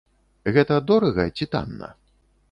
Гэта дорага ці танна?